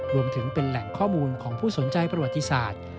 รวมถึงเป็นแหล่งข้อมูลของผู้สนใจประวัติศาสตร์